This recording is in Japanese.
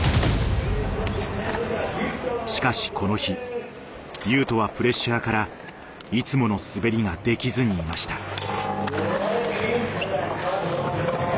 しかしこの日雄斗はプレッシャーからいつもの滑りができずにいました。